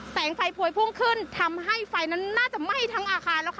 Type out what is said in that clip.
แสงไฟพวยพุ่งขึ้นทำให้ไฟนั้นน่าจะไหม้ทั้งอาคารแล้วค่ะ